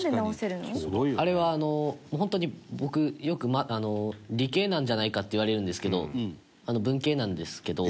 隆貴君：あれは、本当に、僕よく「理系なんじゃないか」って言われるんですけど文系なんですけど。